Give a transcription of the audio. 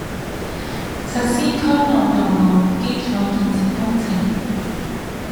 實施區內道路基礎建設工程